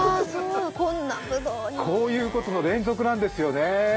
こういうことの連続なんですよね。